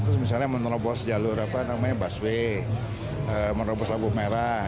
terus misalnya menerobos jalur busway menerobos lampu merah